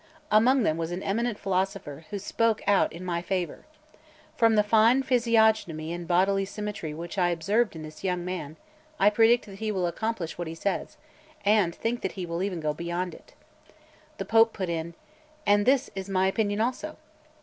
Among them was an eminent philosopher, who spoke out in my favour: "From the fine physiognomy and bodily symmetry which I observed in this young man, I predict that he will accomplish what he says, and think that he will even go beyond it." The Pope put in: "And this is my opinion also."